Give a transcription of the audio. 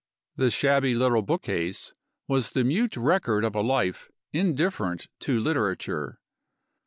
The shabby little bookcase was the mute record of a life indifferent to literature.